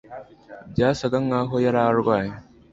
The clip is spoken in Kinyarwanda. byasaga nkaho yari arwaye